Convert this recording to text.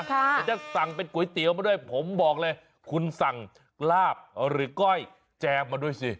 เดี๋ยวจะสั่งเป็นก๋วยเตี๋ยวมาด้วยผมบอกเลยคุณสั่งลาบหรือก้อยแจมมาด้วยสิ